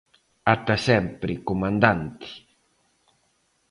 Ata sempre Comandante!